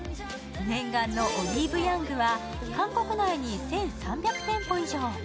念願のオリーブヤングは韓国内に１３００店舗以上。